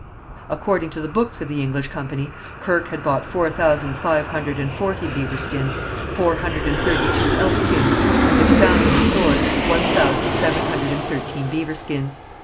According to the books of the English company, Kirke had bought four thousand five hundred and forty beaver skins, four hundred and thirty two elk skins, and had found in the stores one thousand seven hundred and thirteen beaver skins.